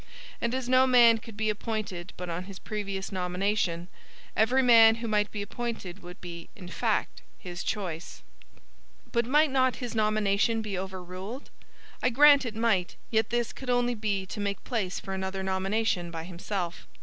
And as no man could be appointed but on his previous nomination, every man who might be appointed would be, in fact, his choice. But might not his nomination be overruled? I grant it might, yet this could only be to make place for another nomination by himself.